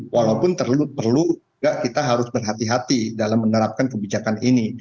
walaupun perlu nggak kita harus berhati hati dalam menerapkan kebijakan ini